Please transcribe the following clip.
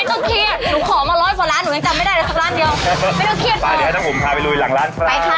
โอ้โหมาให้ดีไม่ต้องเครียดหนูขอมา๑๐๐ขนาดหนูยังจำไม่ได้แค่ร้านเดียว